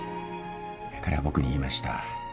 彼は僕に言いました。